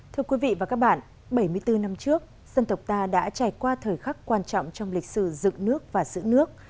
thưa quý vị và các bạn bảy mươi bốn năm trước dân tộc ta đã trải qua thời khắc quan trọng trong lịch sử dựng nước và giữ nước